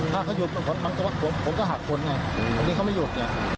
ถ้าเขาหยุดมันก็จะว่าผมก็หักคนอ่ะอันนี้เขามาหยุด